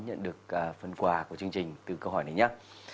nhận được phần quà của chương trình từ câu hỏi này nhé